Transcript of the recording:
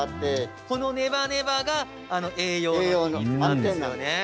このネバネバが栄養の秘密なんですよね。